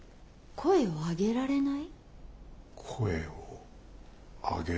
声を上げられない。